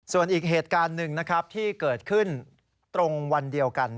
ส่วนอีกเหตุการณ์หนึ่งนะครับที่เกิดขึ้นตรงวันเดียวกัน